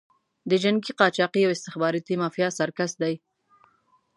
د جنګي قاچاقي او استخباراتي مافیا سرکس دی.